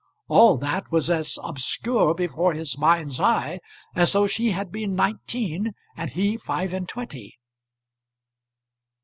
All that was as obscure before his mind's eye, as though she had been nineteen and he five and twenty.